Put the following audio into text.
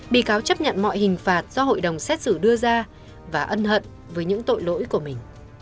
bị cáo chấp nhận mọi hình phạt do hội đồng xét xử đưa ra và ân hận với những tội lỗi của mình